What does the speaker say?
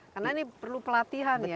karena ini perlu pelatihan ya